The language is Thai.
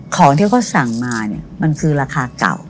ของที่เขาสั่งมาเนี่ยมันคือราคาเก่า